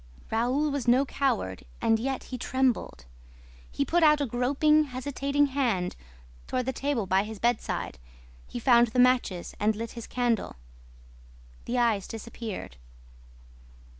Raoul was no coward; and yet he trembled. He put out a groping, hesitating hand toward the table by his bedside. He found the matches and lit his candle. The eyes disappeared.